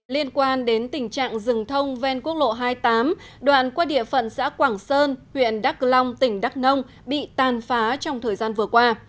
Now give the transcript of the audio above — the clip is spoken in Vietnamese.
liên quan đến tình trạng rừng thông ven quốc lộ hai mươi tám đoạn qua địa phận xã quảng sơn huyện đắk long tỉnh đắk nông bị tàn phá trong thời gian vừa qua